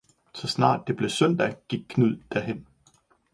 Så snart det blev søndag gik Knud derhen.